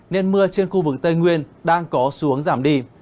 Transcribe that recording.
nên mưa trên khu vực tây nguyên đang có xu hướng giảm đi